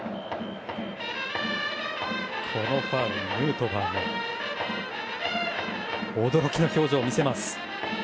このファウルにヌートバーも驚きの表情を見せました。